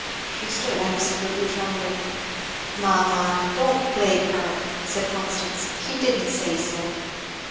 She stood absolutely trembling. "Mamma! don't plague her!" said Constance. "He didn't say so."